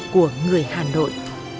của người hà nội